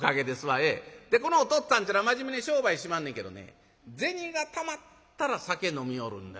でこのおとっつぁんっちゅうのは真面目に商売しまんねんけどね銭がたまったら酒飲みよるんで。